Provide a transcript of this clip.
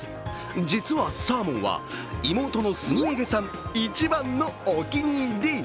実はサーモンは、妹のスニエゲさん一番のお気に入り。